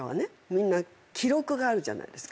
みんな記録があるじゃないですか。